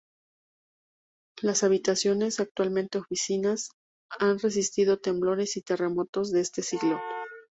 Las habitaciones, actualmente oficinas, han resistido temblores y terremotos de este siglo.